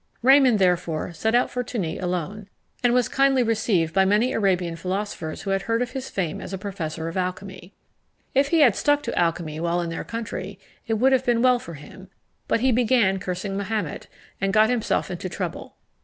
Raymond, therefore, set out for Tunis alone, and was kindly received by many Arabian philosophers, who had heard of his fame as a professor of alchymy. If he had stuck to alchymy while in their country, it would have been well for him; but he began cursing Mahomet, and got himself into trouble.